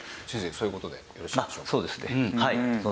そういう事でよろしいでしょうか？